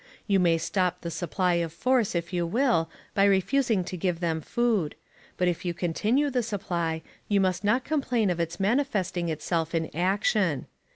You may stop the supply of force, if you will, by refusing to give them food; but if you continue the supply, you must not complain of its manifesting itself in action.